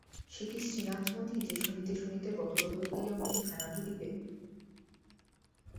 সে কি শ্রীনাথ মুদি যে শুনিতে শুনিতে গদগদ হইয়া মুখে ফেলা তুলিবে?